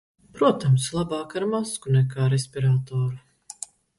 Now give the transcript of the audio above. Protams, labāk ar masku nekā respiratoru.